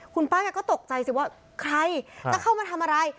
คุณป้าแกก็ตกใจสิว่าใครจะเข้ามาทำอะไร